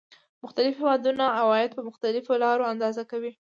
مختلف هېوادونه عواید په مختلفو لارو اندازه کوي